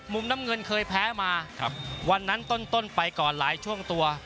มุมน้ำเงินเคยแพ้มาวันนั้นต้นไปก่อนหลายช่วงตัว